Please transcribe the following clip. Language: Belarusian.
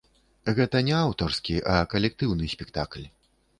Гэта не аўтарскі, а калектыўны спектакль.